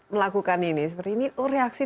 melakukan ini reaksi